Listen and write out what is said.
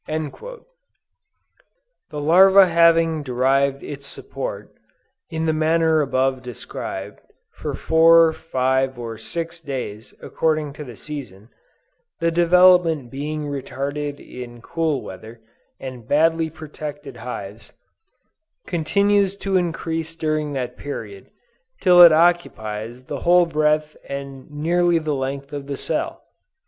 "The larva having derived its support, in the manner above described, for four, five or six days, according to the season," (the development being retarded in cool weather, and badly protected hives,) "continues to increase during that period, till it occupies the whole breadth and nearly the length of the cell.